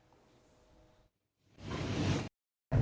อืม